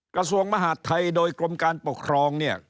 กระทรวงมหาดไทยโดยกรมการปกครองเนี่ย